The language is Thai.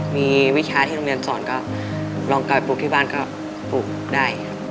มีวิชาที่โรงเรียนสอนก็ลองกลับไปปลูกที่บ้านก็ปลูกได้ครับ